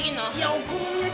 お好み焼き！